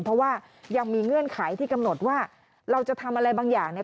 เพราะว่ายังมีเงื่อนไขที่กำหนดว่าเราจะทำอะไรบางอย่างเนี่ย